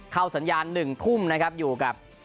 เข้าสัญญาณ๑ทุ่มอยู่กับ